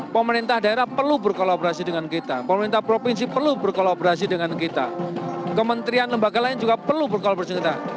pemerintah daerah perlu berkolaborasi dengan kita pemerintah provinsi perlu berkolaborasi dengan kita kementerian lembaga lain juga perlu berkolaborasi kita